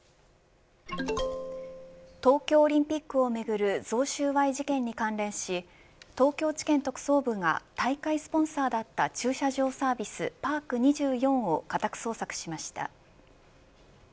東京オリンピックをめぐる贈収賄事件に関連し東京地検特捜部が大会スポンサーだった駐車場サービスパーク２４を家宅捜索しました。